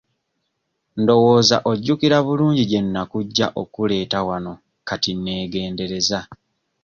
Ndowooza ojjukira bulungi gye nakujja okkuleeta wano kati neegendereza.